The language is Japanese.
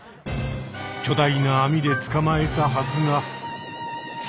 巨大な網でつかまえたはずが。